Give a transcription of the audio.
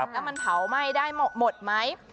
แล้วมันเผาไหม้ได้หมดไหม